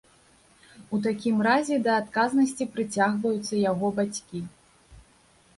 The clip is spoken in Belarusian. У такім разе да адказнасці прыцягваюцца яго бацькі.